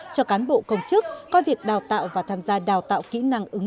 cho cán bộ công chức có việc đào tạo và tham gia đào tạo kỹ năng ứng dụng